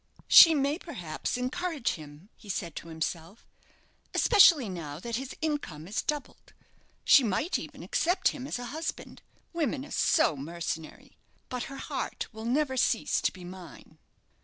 "She may perhaps encourage him," he said to himself, "especially now that his income is doubled. She might even accept him as a husband women are so mercenary. But her heart will never cease to be mine."